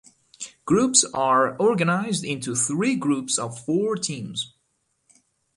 Groups are organised into three groups of four teams.